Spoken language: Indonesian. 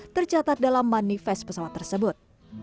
tercatat dalam manifest pesawat tersebut